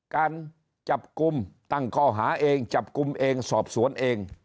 การจับกลุ่มตั้งข้อหาเองจับกลุ่มเองสอบสวนเอง